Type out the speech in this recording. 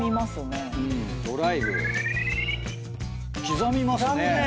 刻みますね。